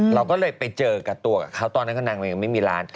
เราก็เลยไปเจอกับตัวกับเขาตอนนั้นนางยังไม่มีร้าน